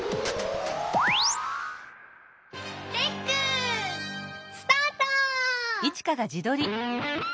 レックスタート！